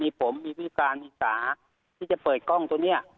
มีผมมีวิการมีสาที่จะเปิดกล้องตัวนี้